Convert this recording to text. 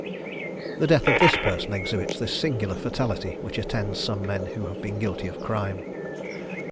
The death of this person exhibits the singular fatality which attends some men who have been guilty of crime.